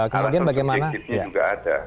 karena objektifnya juga ada